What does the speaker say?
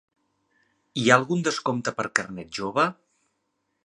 Hi ha algun descompte per carnet jove?